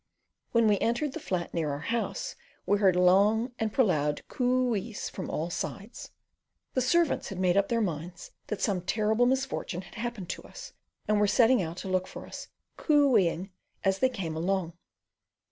When we entered the flat near our own house, we heard loud and prolonged "coo ees" from all sides. The servants had made up their minds that some terrible misfortune had happened to us, and were setting out to look for us, "coo eeing" as they came along.